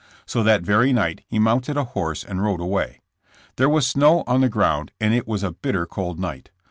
So that very night he mounted a horse and rode away. There was snow on the ground and it was a bitter cold night.